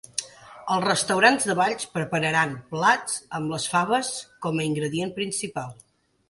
Els restaurants de Valls prepararan plats amb les faves com ingredient principal.